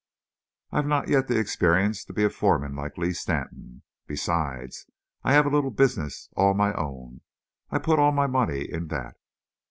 "I've not yet the experience to be a foreman like Lee Stanton. Besides, I have a little business all my own. I put all my money in that."